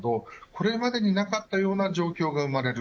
これまでになかったような状況が生まれる。